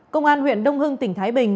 công an huyện đông hưng tỉnh thái bình